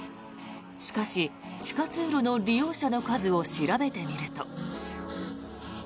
しかし、地下通路の利用者の数を調べてみると。